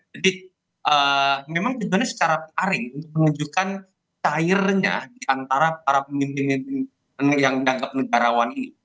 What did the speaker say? jadi memang tujuannya secara paring untuk menunjukkan cairnya diantara para pemimpin yang dianggap negarawan ini